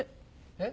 えっ？